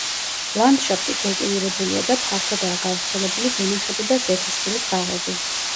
ლანდშაფტი კულტივირებულია და ფართოდაა გავრცელებული ვენახები და ზეთისხილის ბაღები.